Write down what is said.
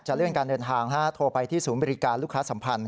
เลื่อนการเดินทางโทรไปที่ศูนย์บริการลูกค้าสัมพันธ